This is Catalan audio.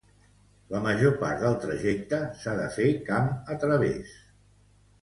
La major part del trajecte s'ha de fer camp a través.